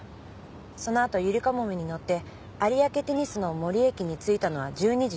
そのあとゆりかもめに乗って有明テニスの森駅に着いたのは１２時４３分。